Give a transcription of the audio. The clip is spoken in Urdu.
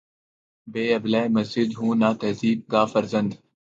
نے ابلۂ مسجد ہوں نہ تہذیب کا فرزند